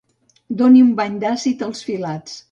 Doni un bany d'àcid als filats.